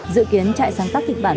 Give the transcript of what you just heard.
dự kiến trại sáng tác kịch bản